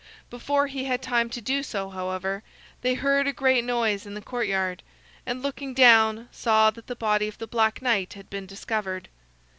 Before he had time to do so, however, they heard a great noise in the courtyard, and looking down, saw that the body of the Black Knight had been discovered.